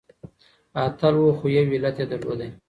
اتل و خو يو علت يې درلودی .